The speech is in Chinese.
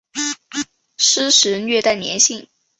湿时略带黏性。